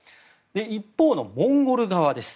一方のモンゴル側です。